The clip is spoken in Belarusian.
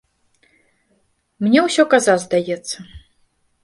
Мне усё каза здаецца.